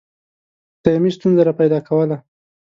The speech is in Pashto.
دایمي ستونزه را پیدا کوله.